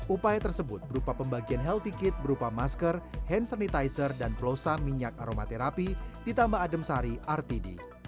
upaya tersebut berupa pembagian healthy kit berupa masker hand sanitizer dan plosa minyak aromaterapi ditambah adem sari rtd